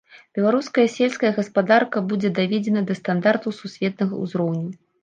Беларуская сельская гаспадарка будзе даведзена да стандартаў сусветнага ўзроўню.